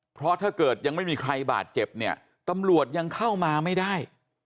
เพราะถ้าเกิดยังไม่มีใครบาดเจ็บเนี่ยตำรวจยังเข้ามาไม่ได้